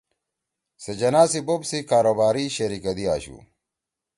سے جناح سی بوپ سی کاروباری شیریکَدی آشُو